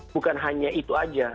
bukan hanya itu saja